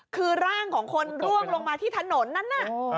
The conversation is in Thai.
คือร่างของคนร่วงลงมาที่ถนนนั้นน่ะ